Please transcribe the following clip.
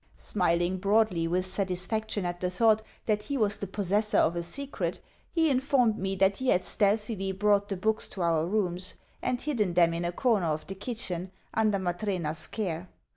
Smiling broadly with satisfaction at the thought that he was the possessor of a secret, he informed me that he had stealthily brought the books to our rooms, and hidden them in a corner of the kitchen, under Matrena's care.